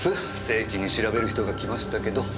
正規に調べる人が来ましたけど。